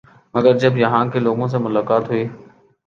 مگر جب یہاں کے لوگوں سے ملاقات ہوئی